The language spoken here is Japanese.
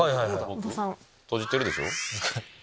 閉じてるでしょ？